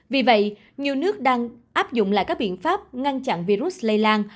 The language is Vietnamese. vì vậy nhiều nước đang áp dụng lại các biện pháp ngăn chặn virus lây lan